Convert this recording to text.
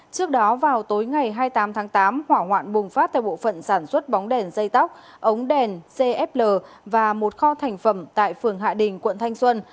trước đó vào tối ngày hai mươi tám tháng tám hỏa hoạn bùng phát tại bộ phận sản xuất bóng đèn dây tóc ống đèn cfl và một kho thành phẩm tại phường hạ đình quận thanh xuân